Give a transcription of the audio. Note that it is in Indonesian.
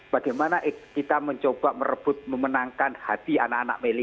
bagaimana kita mencoba merebut memenangkan hati anak anak meli